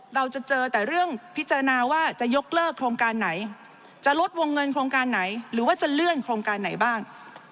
เราจะเจอแต่เรื่องพิจารณาว่าจะยกเลิกโครงการไหนจะลดวงเงินโครงการไหนหรือว่าจะเลื่อนโครงการไหนบ้าง